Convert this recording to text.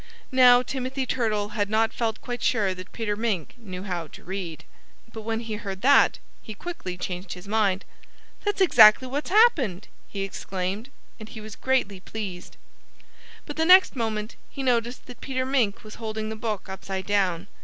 Now, Timothy Turtle had not felt quite sure that Peter Mink knew how to read. But when he heard that he quickly changed his mind. "That's exactly what's happened!" he exclaimed. And he was greatly pleased. But the next moment he noticed that Peter Mink was holding the book upside down.